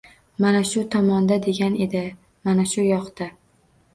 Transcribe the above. Mana shu tomonda degan edi, mana shu yoqda